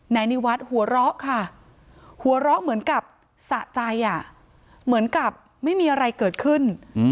นายนิวัฒน์หัวเราะค่ะหัวเราะเหมือนกับสะใจเหมือนกับไม่มีอะไรเกิดขึ้น